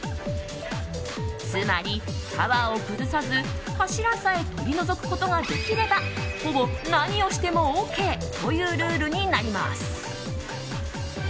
つまり、タワーを崩さず柱さえ取り除くことができればほぼ何をしてもＯＫというルールになります。